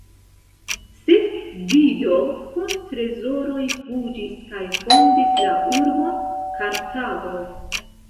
Sed Dido kun trezoroj fuĝis kaj fondis la urbon Kartago.